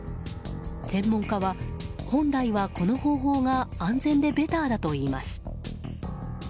専門家は本来はこの方法が安全でベターだといいます。